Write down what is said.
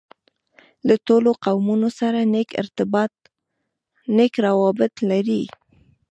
له ټولو قومونوسره نېک راوبط لري.